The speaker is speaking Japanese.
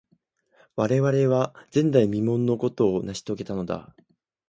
我々は、前代未聞のことを成し遂げたのだ。